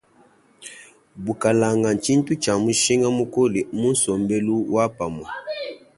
Bukalanga tshintu tshia mushinga mukole mu sombelu wa pamue.